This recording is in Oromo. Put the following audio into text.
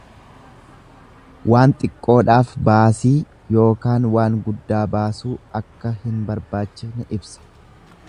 Waan xiqqoodhaaf baasii ykn waan guddaa baasuu akka hin barbaachifne ibsa.